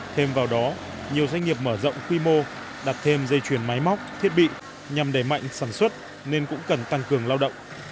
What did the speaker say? thêm vào đó nhiều doanh nghiệp mở rộng quy mô đặt thêm dây chuyển máy móc thiết bị nhằm đẩy mạnh sản xuất nên cũng cần tăng cường lao động